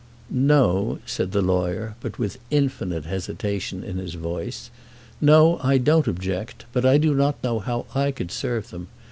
"No;" said the lawyer, but with infinite hesitation in his voice. "No; I don't object. But I do not know how I could serve them.